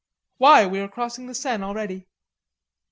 "Why, we are crossing the Seine already."